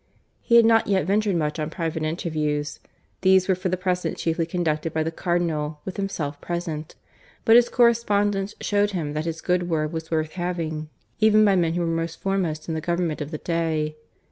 He had not yet ventured much on private interviews these were for the present chiefly conducted by the Cardinal, with himself present; but his correspondence showed him that his good word was worth having, even by men who were foremost in the government of the day.